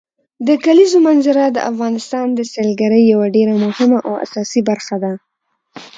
د کلیزو منظره د افغانستان د سیلګرۍ یوه ډېره مهمه او اساسي برخه ده.